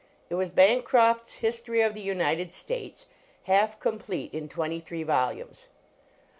It was Bancroft s History of the United States, half complete in twenty three volumes.